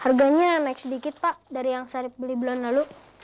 harganya naik sedikit pak dari yang saya beli bulan lalu